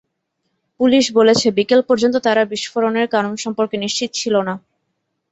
Police বলেছে, বিকেল পর্যন্ত তারা বিস্ফোরণের কারণ সম্পর্কে নিশ্চিত ছিল না।